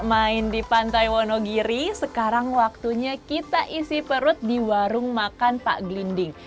main di pantai wonogiri sekarang waktunya kita isi perut di warung makan pak gelinding